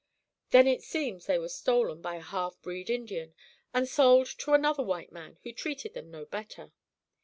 Then it seems they were stolen by a half breed Indian and sold to another white man, who treated them no better.